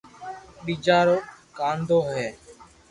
ٻيجا رو ڪانتو ھي